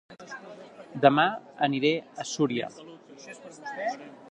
Dema aniré a Súria